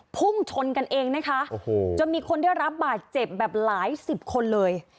พุ่งชนกันเองนะคะโอ้โหจนมีคนได้รับบาดเจ็บแบบหลายสิบคนเลย